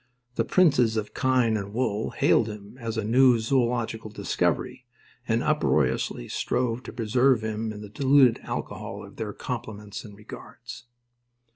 The princes of kine and wool hailed him as a new zoological discovery, and uproariously strove to preserve him in the diluted alcohol of their compliments and regards.